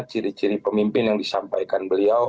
ciri ciri pemimpin yang disampaikan beliau